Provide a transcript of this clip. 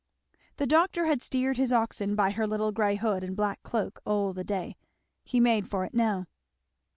The doctor had steered his oxen by her little grey hood and black cloak all the day. He made for it now.